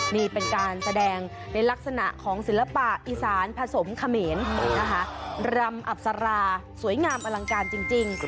นี่เป็นการแสดงในลักษณะของศิลปะอีสานผสมเขมรนะคะรำอับสาราสวยงามอลังการจริง